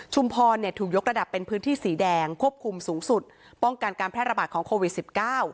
พรเนี่ยถูกยกระดับเป็นพื้นที่สีแดงควบคุมสูงสุดป้องกันการแพร่ระบาดของโควิดสิบเก้า